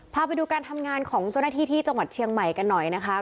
พาไปดูการทำงานของเจ้าหน้าที่ที่จังหวัดเชียงใหม่กันหน่อยนะคะ